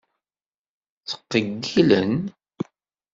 Ttqeyyilen.